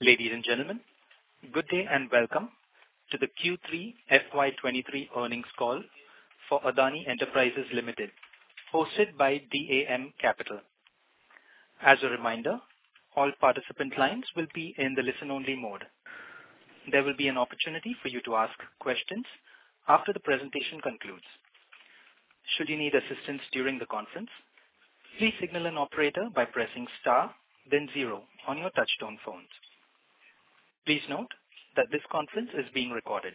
Ladies and gentlemen, good day and welcome to the Q3 FY 2023 Earnings Call for Adani Enterprises Limited, hosted by DAM Capital. As a reminder, all participant lines will be in the listen only mode. There will be an opportunity for you to ask questions after the presentation concludes. Should you need assistance during the conference, please signal an operator by pressing star then zero on your touchtone phones. Please note that this conference is being recorded.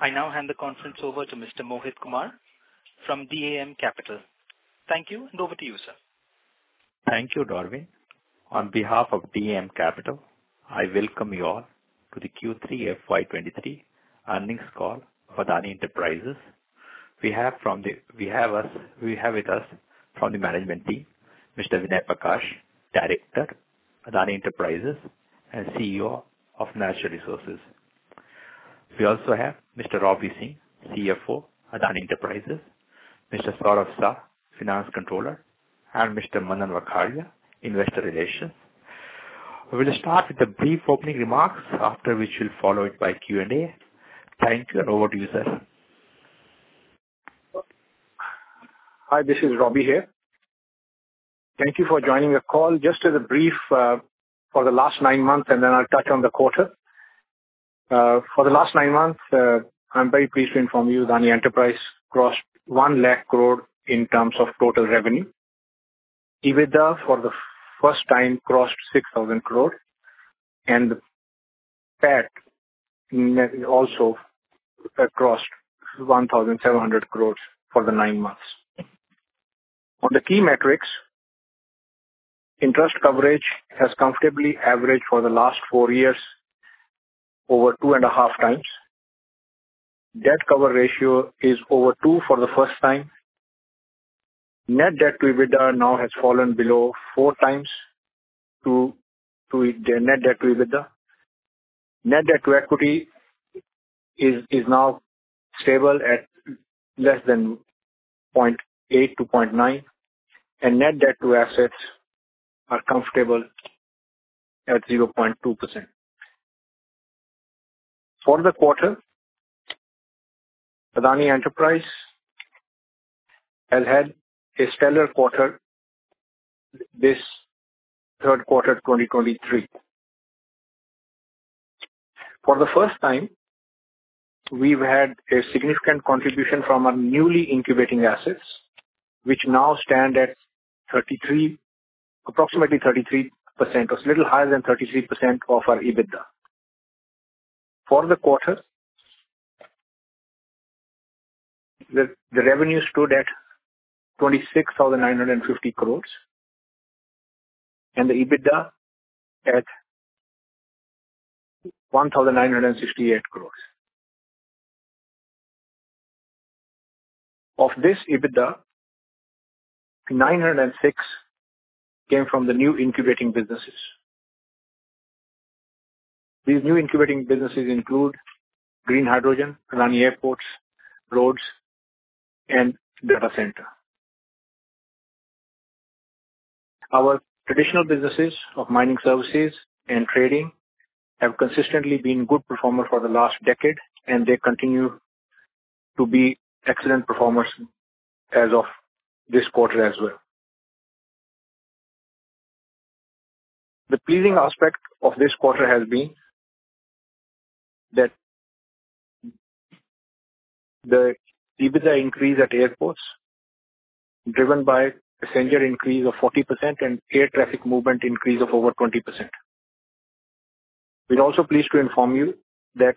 I now hand the conference over to Mr. Mohit Kumar from DAM Capital. Thank you, and over to you, sir. Thank you, Darwin. On behalf of DAM Capital, I welcome you all to the Q3 FY 2023 Earnings Call for Adani Enterprises. We have with us from the management team, Mr. Vinay Prakash, Director, Adani Enterprises, and CEO of Natural Resources. We also have Mr. Robbie Singh, CFO, Adani Enterprises, Mr. Saurabh Shah, Finance Controller, and Mr. Manan Vakharia, Investor Relations. We'll start with a brief opening remarks, after which we'll follow it by Q&A. Thank you, and over to you, sir. Hi, this is Robbie here. Thank you for joining the call. Just as a brief for the last 9 months, then I'll touch on the quarter. For the last nine months, I'm very pleased to inform you Adani Enterprises crossed 1 lakh crore in terms of total revenue. EBITDA for the first time crossed 6,000 crore. PAT net also crossed 1,700 crore for the nine months. On the key metrics, interest coverage has comfortably averaged for the last four years over 2.5 times. Debt cover ratio is over two for the first time. Net debt to EBITDA now has fallen below 4 times to the net debt to EBITDA. Net debt to equity is now stable at less than 0.8%-0.9%, and net debt to assets are comfortable at 0.2%. For the quarter, Adani Enterprises has had a stellar quarter this third quarter 2023. For the first time, we've had a significant contribution from our newly incubating assets, which now stand at 33%, approximately 33%. It's little higher than 33% of our EBITDA. For the quarter, the revenue stood at 26,950 crores and the EBITDA at 1,968 crores. Of this EBITDA, 906 crores came from the new incubating businesses. These new incubating businesses include green hydrogen, Adani Airports, roads, and data center. Our traditional businesses of mining services and trading have consistently been good performer for the last decade. They continue to be excellent performers as of this quarter as well. The pleasing aspect of this quarter has been that the EBITDA increase at airports, driven by passenger increase of 40% and air traffic movement increase of over 20%. We're also pleased to inform you that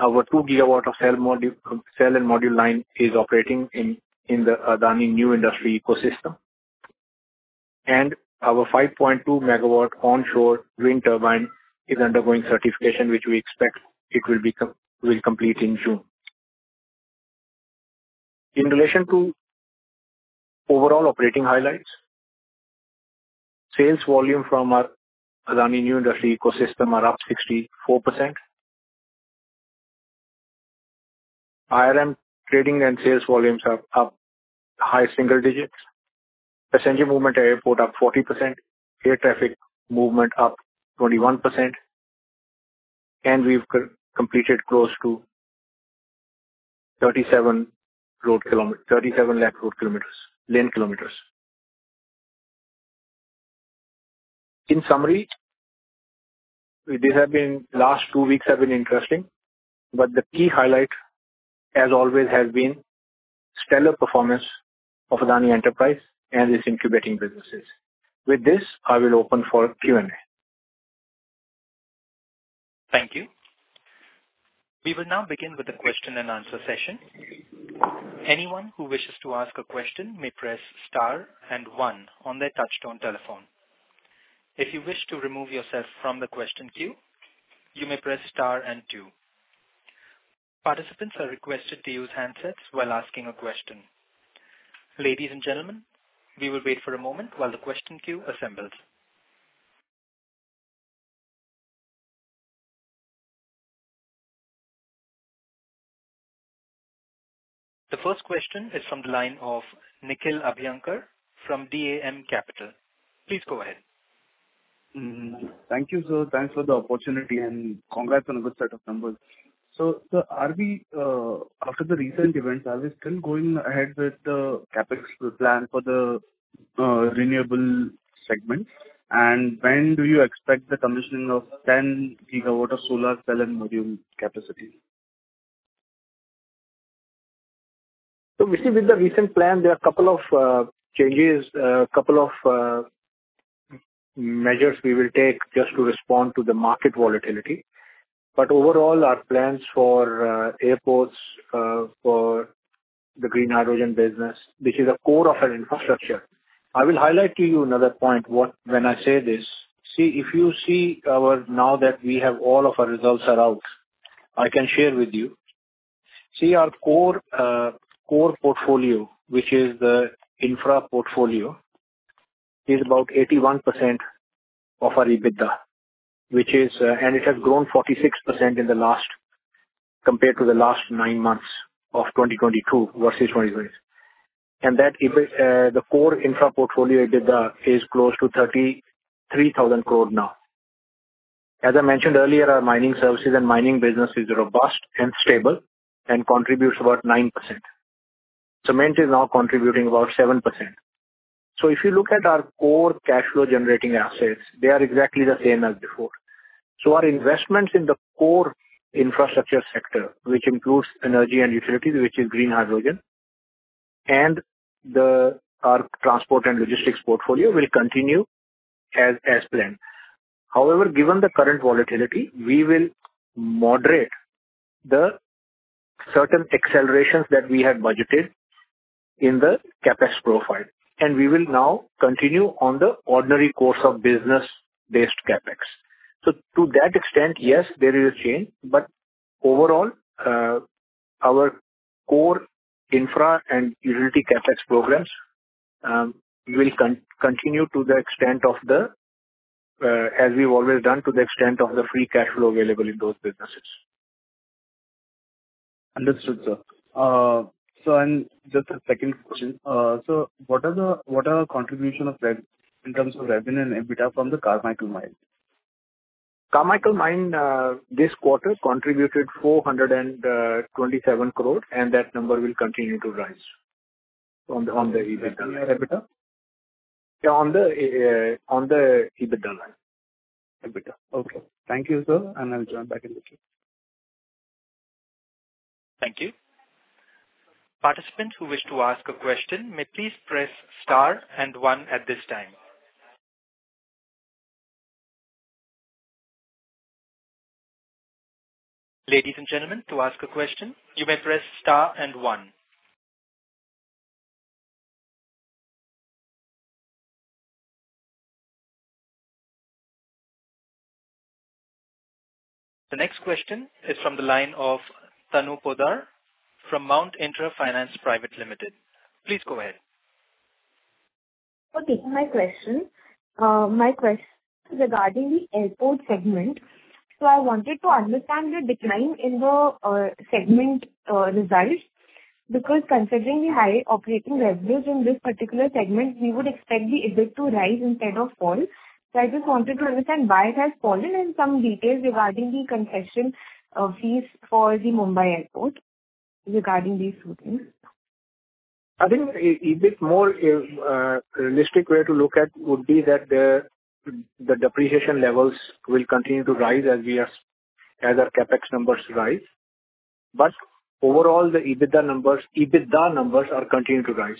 our 2 GW of cell module, cell and module line is operating in the Adani New Industries Limited. Our 5.2 MW onshore wind turbine is undergoing certification, which we expect it will complete in June. In relation to overall operating highlights, sales volume from our Adani New Industries Limited are up 64%. IRM trading and sales volumes are up high single digits. Passenger movement at airport up 40%. Air traffic movement up 21%. We've co-completed close to 37 road kilometers, 37 lakh road kilometers, lane kilometers. In summary, we did have been. Last two weeks have been interesting, but the key highlight, as always, has been stellar performance of Adani Enterprises and its incubating businesses. With this, I will open for Q&A. Thank you. We will now begin with the question-and-answer session. Anyone who wishes to ask a question may press star one on their touchtone telephone. If you wish to remove yourself from the question queue, you may press star two. Participants are requested to use handsets while asking a question. Ladies and gentlemen, we will wait for a moment while the question queue assembles. The first question is from the line of Nikhil Abhyankar from DAM Capital. Please go ahead. Thank you, sir. Thanks for the opportunity, and congrats on a good set of numbers. Sir, are we after the recent events, are we still going ahead with the CapEx plan for the renewable segment? When do you expect the commissioning of 10 gigawatt of solar cell and module capacity? You see with the recent plan, there are a couple of changes, a couple of measures we will take just to respond to the market volatility. Overall, our plans for airports, for the green hydrogen business, which is a core of our infrastructure. I will highlight to you another point when I say this. See, Now that we have all of our results are out, I can share with you. See, our core portfolio, which is the infra portfolio, is about 81% of our EBITDA, which is, and it has grown 46% compared to the last 9 months of 2022 versus 2023. That EBITDA, the core infra portfolio EBITDA is close to 33,000 crore now. As I mentioned earlier, our mining services and mining business is robust and stable and contributes about 9%. Cement is now contributing about 7%. If you look at our core cash flow generating assets, they are exactly the same as before. Our investments in the core infrastructure sector, which includes energy and utilities, which is green hydrogen, and the transport and logistics portfolio will continue as planned. However, given the current volatility, we will moderate the certain accelerations that we had budgeted in the CapEx profile. We will now continue on the ordinary course of business-based CapEx. To that extent, yes, there is a change. Overall, our core infra and utility CapEx programs will continue to the extent of the, as we've always done, to the extent of the free cash flow available in those businesses. Understood, sir. Just a second question. What are the contribution in terms of revenue and EBITDA from the Carmichael Mine? Carmichael Mine, this quarter contributed 427 crore, and that number will continue to rise on the EBITDA. On the EBITDA? Yeah, on the EBITDA line. EBITDA. Okay. Thank you, sir. I'll join back in the queue. Thank you. Participants who wish to ask a question may please press star and one at this time. Ladies and gentlemen, to ask a question, you may press star and one. The next question is from the line of Tanu Poddar from Mount Intra Finance Private Limited. Please go ahead. My question is regarding the airport segment. I wanted to understand the decline in the segment results, because considering the high operating leverage in this particular segment, we would expect the EBIT to rise instead of fall. I just wanted to understand why it has fallen and some details regarding the concession fees for the Mumbai Airport regarding these two things. I think a bit more realistic way to look at would be that the depreciation levels will continue to rise as our CapEx numbers rise. Overall, the EBITDA numbers are continuing to rise.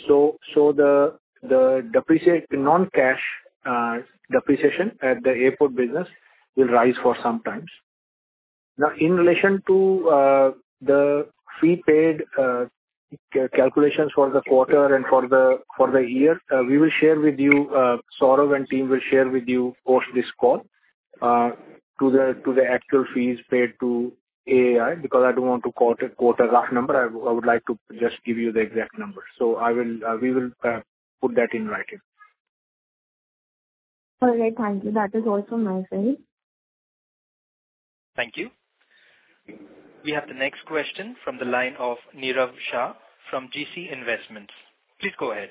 The non-cash depreciation at the airport business will rise for some times. In relation to the fee paid calculations for the quarter and for the year, we will share with you, Saurabh and team will share with you post this call, to the actual fees paid to AAI, because I don't want to quote a rough number. I would like to just give you the exact number. I will, we will put that in writing. All right. Thank you. That is all from my side. Thank you. We have the next question from the line of Nirav Shah from GC Investments. Please go ahead.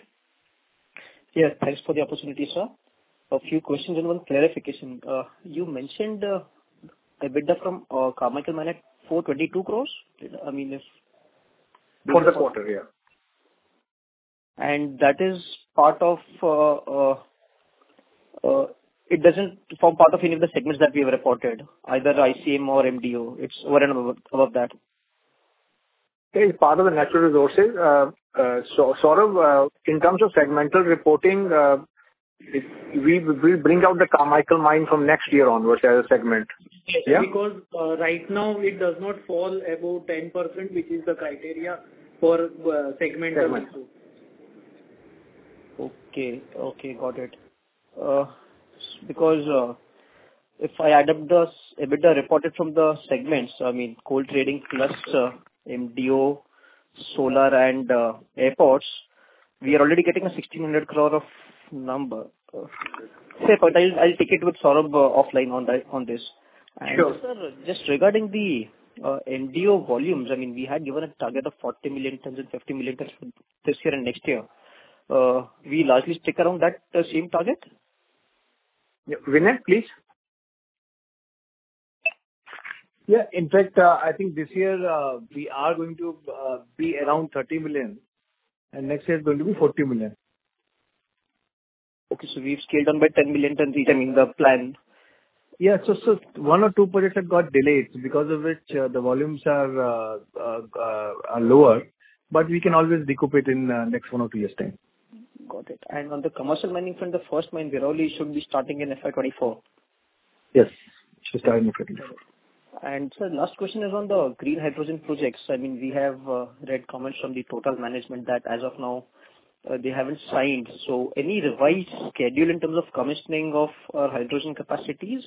Yeah, thanks for the opportunity, sir. A few questions and one clarification. You mentioned EBITDA from Carmichael Mine at 422 crores. I mean, For the quarter, yeah. That is part of. It doesn't form part of any of the segments that we have reported, either ICM or MDO. It's over and above that. It's part of the natural resources. Saurav, in terms of segmental reporting, we'll bring out the Carmichael Mine from next year onwards as a segment. Right now it does not fall above 10%, which is the criteria for segmental results. Segmental. Okay. Okay, got it. because, if I add up the EBITDA reported from the segments, I mean, coal trading plus, MDO, solar and, airports. We are already getting a 1,600 crore of number. I'll take it with Saurabh offline on that, on this. Sure. Also just regarding the MDO volumes, I mean, we had given a target of 40 million tons and 50 million tons this year and next year. We largely stick around that same target. Yeah. Vinay, please. In fact, I think this year, we are going to be around 30 million. Next year is going to be 40 million. Okay. We've scaled down by 10 million tons, we can in the plan. Yeah. One or two projects have got delayed, because of which, the volumes are lower, but we can always recoup it in next one or two years' time. Got it. On the commercial mining front, the first mine, Viroli, should be starting in FY 2024. Yes. Starting in 2024. Sir, last question is on the green hydrogen projects. I mean, we have read comments from the Total management that as of now, they haven't signed. Any revised schedule in terms of commissioning of hydrogen capacities,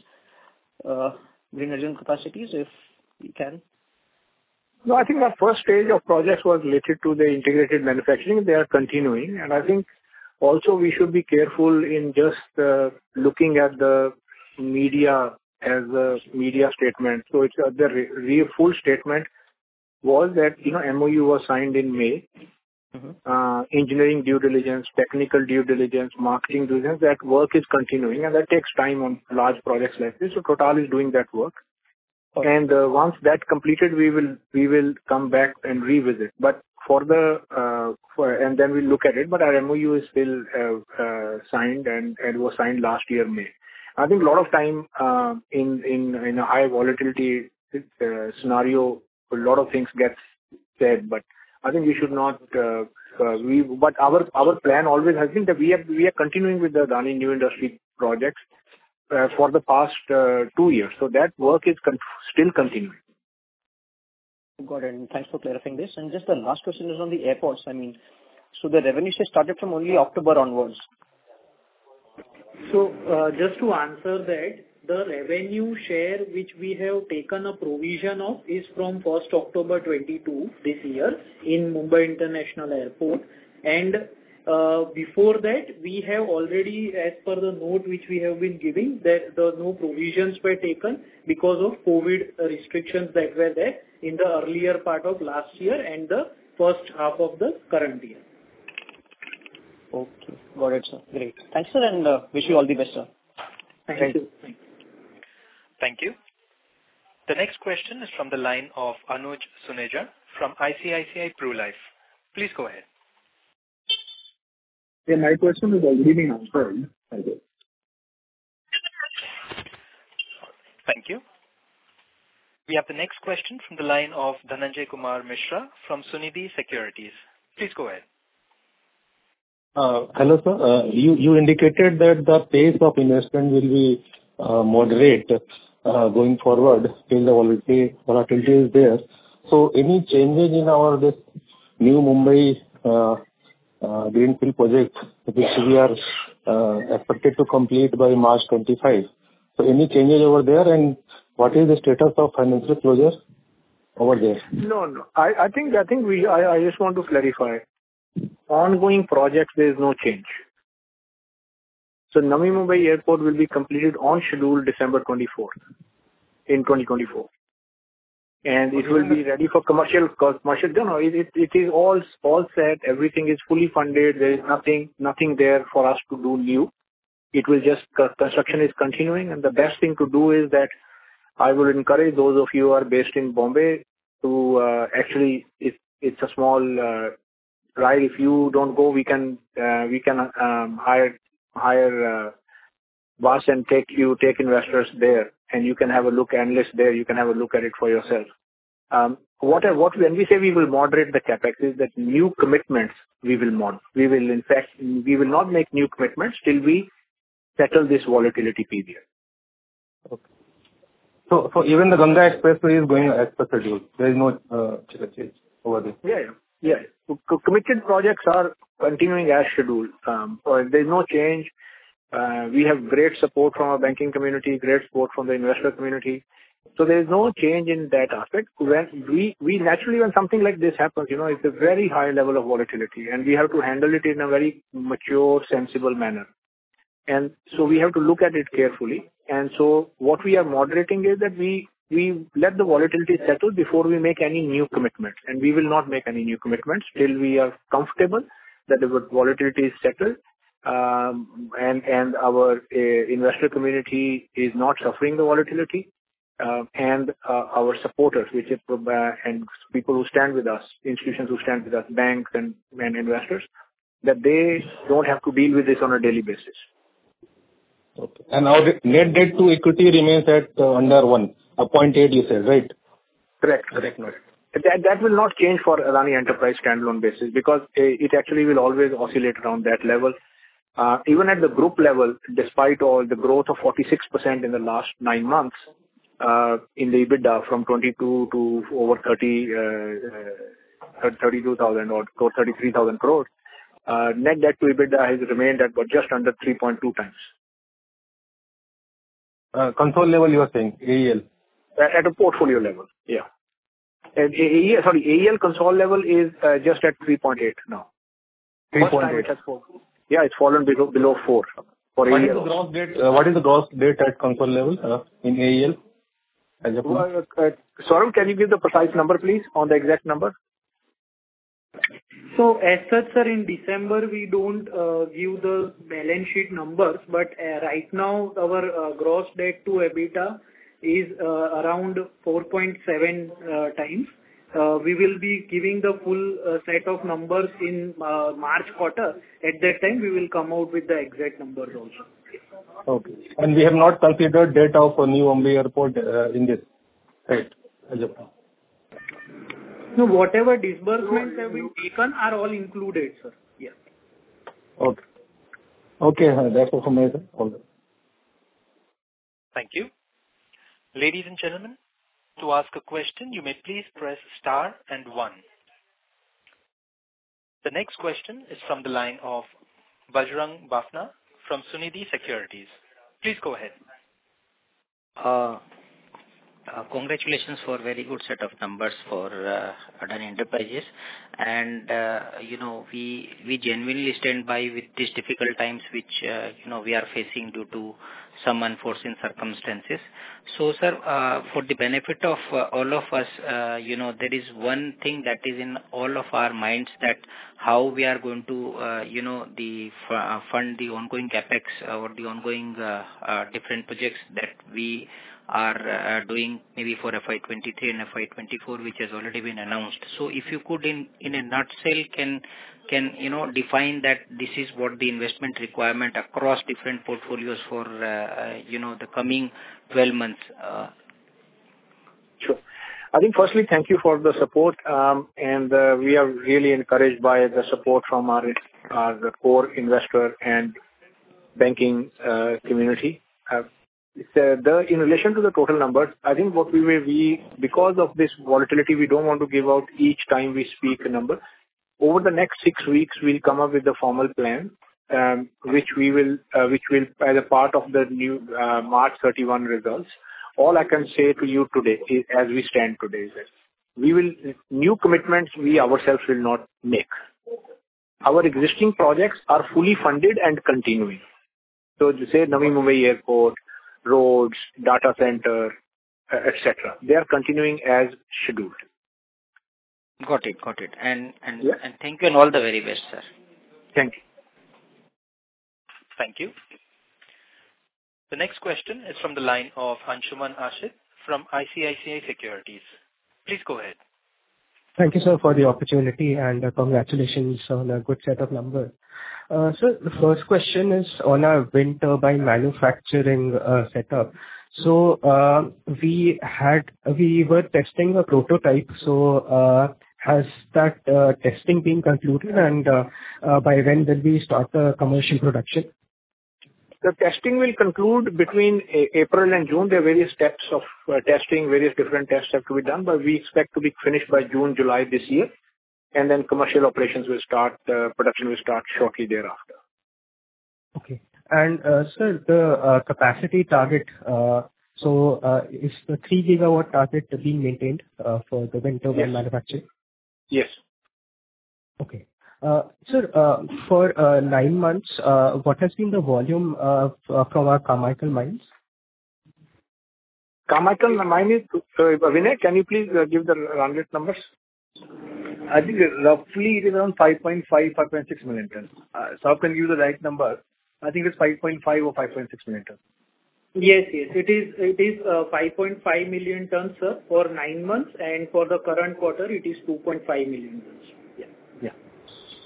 green hydrogen capacities, if you can? I think our first stage of projects was related to the integrated manufacturing. They are continuing. I think also we should be careful in just looking at the media as a media statement. It's the full statement was that, you know, MOU was signed in May. Mm-hmm. Engineering due diligence, technical due diligence, marketing due diligence, that work is continuing. That takes time on large projects like this. TotalEnergies is doing that work. Okay. Once that completed, we will come back and revisit. Then we look at it, our MOU is still signed and was signed last year, May. I think a lot of time, in a high volatility scenario, a lot of things gets said, I think we should not. Our plan always has been that we are continuing with the Adani New Industry projects for the past two years. That work is still continuing. Got it. Thanks for clarifying this. Just the last question is on the airports. I mean, the revenue share started from only October onwards. Just to answer that, the revenue share which we have taken a provision of is from October 22 this year in Mumbai International Airport. Before that, we have already, as per the note which we have been giving, that the no provisions were taken because of COVID restrictions that were there in the earlier part of last year and the first half of the current year. Okay. Got it, sir. Great. Thanks, sir, and wish you all the best, sir. Thank you. Thank you. Thank you. The next question is from the line of Anuj Suneja from ICICI Pru Life. Please go ahead. Yeah, my question is already been answered. Thank you. Thank you. We have the next question from the line of Dhananjay Kumar Mishra from Sunidhi Securities. Please go ahead. Hello, sir. You indicated that the pace of investment will be moderate going forward till the volatility is there. Any changes in our this new Mumbai greenfield project which we are expected to complete by March 2025? Any changes over there? What is the status of financial closure over there? No. I think I just want to clarify. Ongoing projects, there is no change. Navi Mumbai Airport will be completed on schedule December 24th in 2024. It will be ready for commercial, because No. It is all set. Everything is fully funded. There is nothing there for us to do new. It will just Construction is continuing, the best thing to do is that I would encourage those of you who are based in Bombay to actually, it's a small drive. If you don't go, we can hire a bus and take investors there, you can have a look, analyst there. You can have a look at it for yourself. What I, what... When we say we will moderate the CapEx, is that new commitments we will mod? We will in fact, we will not make new commitments till we settle this volatility period. Okay. Even the Ganga Expressway is going as per schedule. There is no changes over there. Yeah, yeah. Yeah. Committed projects are continuing as scheduled. There's no change. We have great support from our banking community, great support from the investor community. There is no change in that aspect. Where we naturally, when something like this happens, you know, it's a very high level of volatility, and we have to handle it in a very mature, sensible manner. We have to look at it carefully. What we are moderating is that we let the volatility settle before we make any new commitments. We will not make any new commitments till we are comfortable that the volatility is settled, and our investor community is not suffering the volatility, and our supporters, which is Proba and people who stand with us, institutions who stand with us, banks and main investors, that they don't have to deal with this on a daily basis. Okay. Our net debt to equity remains at under one. A 0.8 you said, right? Correct. Correct. That, that will not change for Adani Enterprises standalone basis because it actually will always oscillate around that level. Even at the group level, despite all the growth of 46% in the last nine months, in the EBITDA from 22 crore to 32,000 crore or 33,000 crore, net debt to EBITDA has remained at just under 3.2 times. control level you are saying, AEL. At a portfolio level. Yeah. AEL control level is just at 3.8 now. 3.8. Yeah, it's fallen below four for AEL. What is the gross debt at control level in AEL as of now? Saurabh, can you give the precise number, please, on the exact number? As such, sir, in December we don't give the balance sheet numbers. Right now our gross debt to EBITDA is around 4.7 times. We will be giving the full set of numbers in March quarter. At that time, we will come out with the exact numbers also. Okay. We have not calculated debt of Navi Mumbai Airport, in this, right? As of now. No, whatever disbursements have been taken are all included, sir. Yeah. Okay. Okay. That's what I made. All good. Thank you. Ladies and gentlemen, to ask a question, you may please press star and one. The next question is from the line of Bajrang Bafna from Sunidhi Securities. Please go ahead. Congratulations for very good set of numbers for Adani Enterprises. You know, we genuinely stand by with these difficult times, which you know, we are facing due to some unforeseen circumstances. Sir, for the benefit of all of us, you know, there is one thing that is in all of our minds that how we are going to fund the ongoing CapEx or the ongoing different projects that we are doing maybe for FY 2023 and FY 2024, which has already been announced. So if you could in a nutshell, can you know, define that this is what the investment requirement across different portfolios for you know, the coming 12 months. Sure. I think firstly thank you for the support. We are really encouraged by the support from our the core investor and banking community. In relation to the total numbers, Because of this volatility, we don't want to give out each time we speak a number. Over the next six weeks we'll come up with a formal plan, which we will as a part of the new March 31 results. All I can say to you today is as we stand today, sir. We will new commitments we ourselves will not make. Our existing projects are fully funded and continuing. Say Navi Mumbai Airport, roads, data center, etc., they are continuing as scheduled. Got it. Got it. Yeah. Thank you and all the very best, sir. Thank you. Thank you. The next question is from the line of Anshuman Ashit from ICICI Securities. Please go ahead. Thank you, sir, for the opportunity, congratulations on a good set of numbers. The first question is on our wind turbine manufacturing setup. We were testing a prototype. Has that testing been concluded and by when will we start commercial production? The testing will conclude between April and June. There are various steps of testing. Various different tests have to be done, but we expect to be finished by June, July this year. Then commercial operations will start, production will start shortly thereafter. Okay. Sir, the capacity target. Is the 3 GW target being maintained for the wind turbine manufacturing? Yes. Sir, for nine months, what has been the volume from our Carmichael mines? Carmichael mine, Vinay, can you please give the run rate numbers? I think roughly it is around 5.5 million tons. Saurabh can give the right number. I think it's 5.5 or 5.6 million tons. Yes, yes. It is, 5.5 million tons, sir, for nine months. For the current quarter it is 2.5 million tons. Yeah.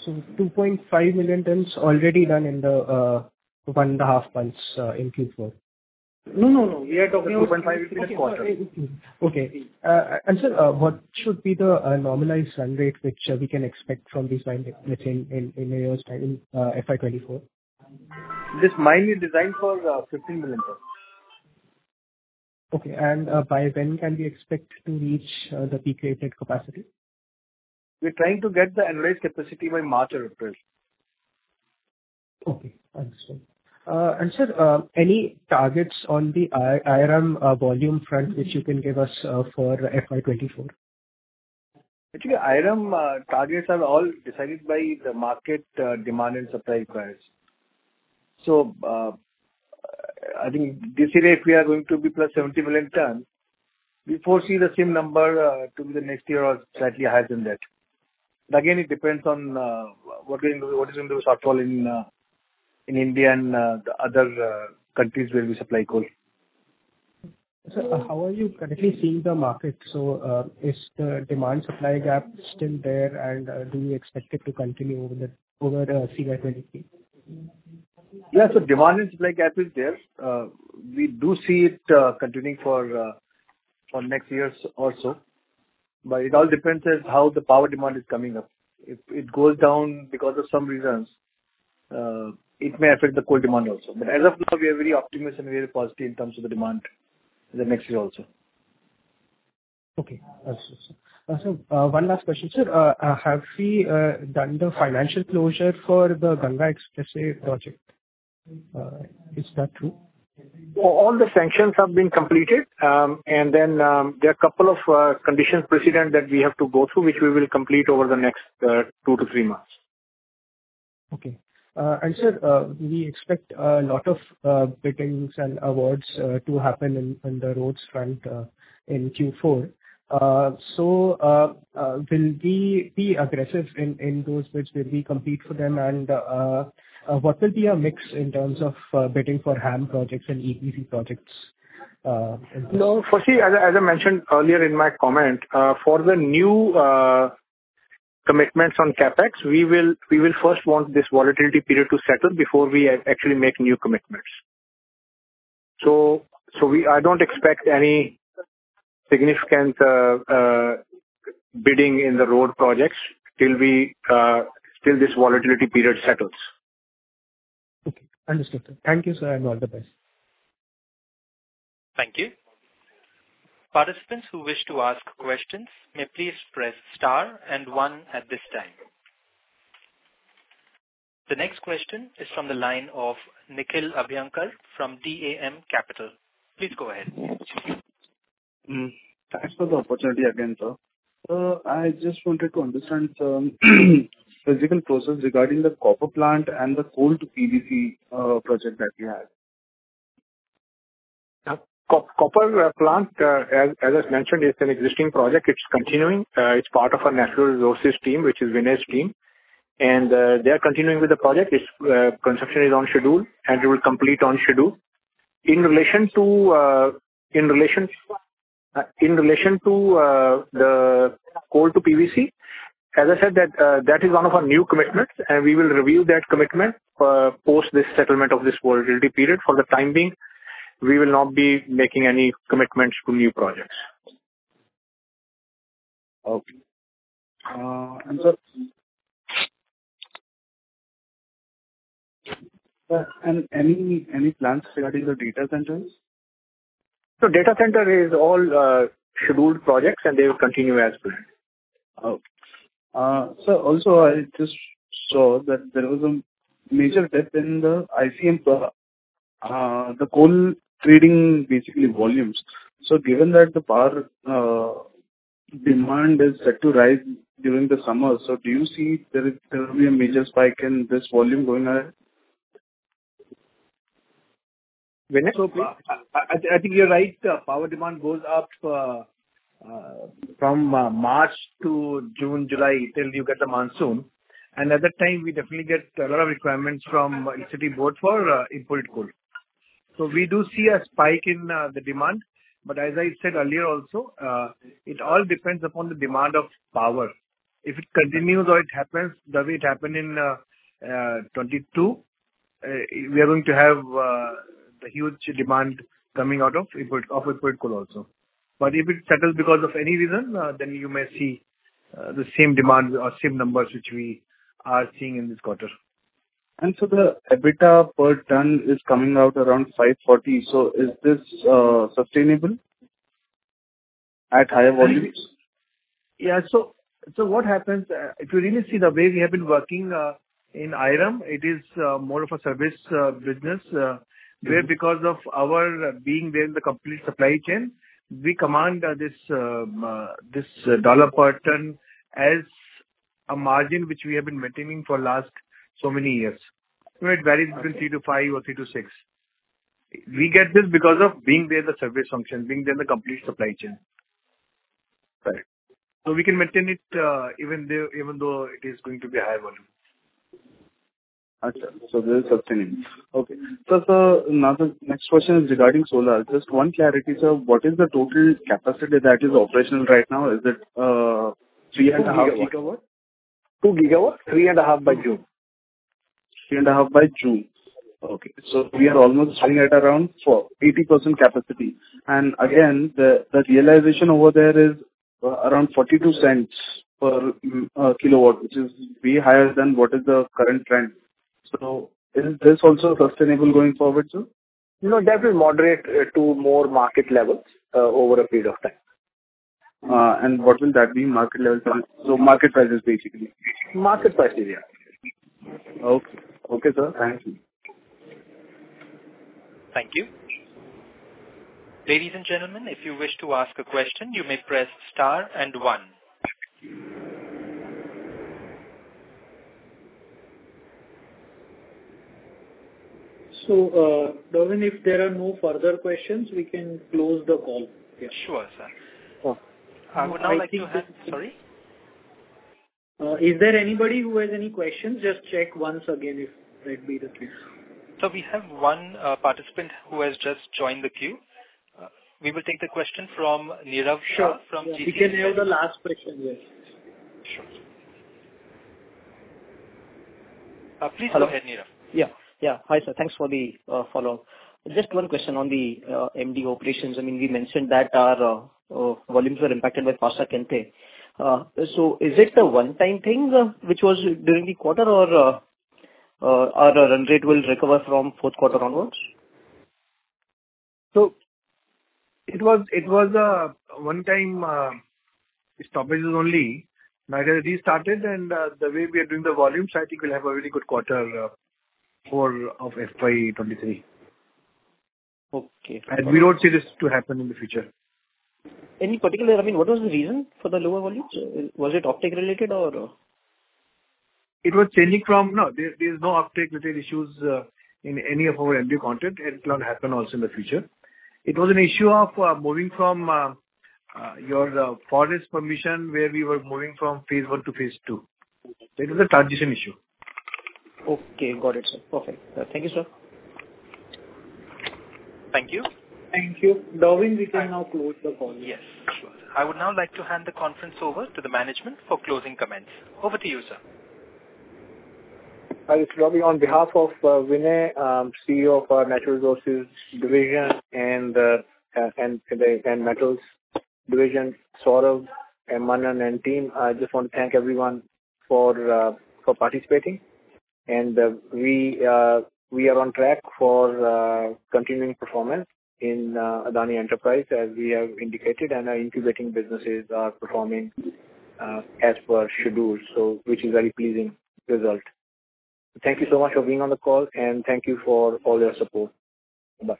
Yeah. 2.5 million tons already done in the one and a half months in Q4. No, no. We are talking of 2.5 million tons for the quarter. Okay. Sir, what should be the normalized run rate which we can expect from this mine in a year's time, FY 2024? This mine is designed for 15 million tons. Okay. By when can we expect to reach the peak rated capacity? We're trying to get the annual capacity by March or April. Okay, understood. Sir, any targets on the IRM volume front which you can give us for FY 2024? Actually IRM, targets are all decided by the market, demand and supply requirements. I think this year if we are going to be +70 million tons, we foresee the same number till the next year or slightly higher than that. Again, it depends on what we're doing, what is going to shortfall in India and the other countries where we supply coal. Sir, how are you currently seeing the market? Is the demand supply gap still there? Do you expect it to continue over the CY 2023? Yeah. Demand and supply gap is there. We do see it continuing for next years also. It all depends on how the power demand is coming up. If it goes down because of some reasons, it may affect the coal demand also. As of now we are very optimistic and very positive in terms of the demand in the next year also. Okay. Understood, sir. One last question, sir. Have we done the financial closure for the Ganga Expressway project? Is that through? All the sanctions have been completed. There are a couple of conditions precedent that we have to go through, which we will complete over the next two to three months. Okay. Sir, we expect a lot of biddings and awards to happen in the roads front in Q4. Will we be aggressive in those bids where we compete for them and what will be our mix in terms of bidding for HAM projects and EPC projects in roads? No. See, as I mentioned earlier in my comment, for the new commitments on CapEx, we will first want this volatility period to settle before we actually make new commitments. I don't expect any significant bidding in the road projects till this volatility period settles. Okay. Understood, sir. Thank you, sir, and all the best. Thank you. Participants who wish to ask questions may please press star and one at this time. The next question is from the line of Nikhil Abhyankar from DAM Capital. Please go ahead. Thanks for the opportunity again, sir. Sir, I just wanted to understand the general process regarding the copper plant and the coal to PVC project that you have. Co-copper plant, as I mentioned, is an existing project. It's continuing. It's part of our natural resources team, which is Vinay's team. They are continuing with the project. Its construction is on schedule and it will complete on schedule. In relation to the coal to PVC, as I said that is one of our new commitments, and we will reveal that commitment post this settlement of this volatility period. For the time being, we will not be making any commitments to new projects. Okay. Sir, and any plans regarding the data centers? Data center is all, scheduled projects and they will continue as planned. Okay. Sir, also I just saw that there was a major dip in the IRM, the coal trading basically volumes. Given that the power demand is set to rise during the summer, so do you see there will be a major spike in this volume going ahead? Vinay, please. I think you're right. Power demand goes up from March to June, July, till you get the monsoon. At that time we definitely get a lot of requirements from NCT board for imported coal. We do see a spike in the demand. As I said earlier also, it all depends upon the demand of power. If it continues or it happens the way it happened in 2022, we are going to have the huge demand coming out of import, of imported coal also. If it settles because of any reason, then you may see the same demands or same numbers which we are seeing in this quarter. The EBITDA per ton is coming out around 540. Is this sustainable at higher volumes? Yeah. What happens, if you really see the way we have been working, in IRM, it is more of a service business. Mm-hmm. Because of our being there in the complete supply chain, we command this dollar per ton as a margin which we have been maintaining for last so many years, where it varies between $3-$5 or $3-$6. Okay. We get this because of being there in the service function, being there in the complete supply chain. Got it. We can maintain it, even there, even though it is going to be high volume. I see. This is sustainable. Okay. Sir, now the next question is regarding solar. Just one clarity, sir. What is the total capacity that is operational right now? Is it 3.5 GW? 2 GW. 2 GW, three and a half by June. Three and a half by June. Okay. We are almost running at around 80% capacity. Again, the realization over there is around $0.42 per kilowatt, which is way higher than what is the current trend. Is this also sustainable going forward, sir? You know, that will moderate to more market levels, over a period of time. What will that mean market levels? Market prices basically. Market price, yeah. Okay. Okay, sir. Thank you. Thank you. Ladies and gentlemen, if you wish to ask a question, you may press star and one. Darwin, if there are no further questions, we can close the call. Yeah. Sure, sir. Cool. I would now like to I think. Sorry. Is there anybody who has any questions? Just check once again if that be the case. Sir, we have one participant who has just joined the queue. We will take the question from Nirav. Sure. We can hear the last question here. Sure. Please go ahead, Nirav. Hello. Yeah. Yeah. Hi, sir. Thanks for the follow-up. Just one question on the MDO operations. I mean, we mentioned that our volumes were impacted by Parsa Kente. Is it a one time thing which was during the quarter or the run rate will recover from fourth quarter onwards? It was a one time stoppages only. Now that it has restarted and the way we are doing the volumes, I think we'll have a very good quarter of FY 2023. Okay. We don't see this to happen in the future. I mean, what was the reason for the lower volumes? Was it offtake related or? No, there's no offtake related issues in any of our MDO contracts. It'll not happen also in the future. It was an issue of moving from your forest permission, where we were moving from Phase 1 to Phase 2. Okay. That was a transition issue. Okay. Got it, sir. Perfect. Thank you, sir. Thank you. Thank you. Darwin, we can now close the call. Yes, sure. I would now like to hand the conference over to the management for closing comments. Over to you, sir. Hi, this is Robbie. On behalf of Vinay, CEO of our Natural Resources Division and Metals Division, Saurabh and Manan and team, I just want to thank everyone for participating. We are on track for continuing performance in Adani Enterprises, as we have indicated, and our incubating businesses are performing as per schedule, which is very pleasing result. Thank you so much for being on the call, and thank you for all your support. Bye-bye.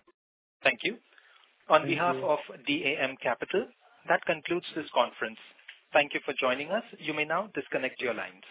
Thank you. Thank you. On behalf of DAM Capital, that concludes this conference. Thank you for joining us. You may now disconnect your lines.